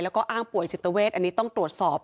แล้วก็อ้างป่วยจิตเวทอันนี้ต้องตรวจสอบ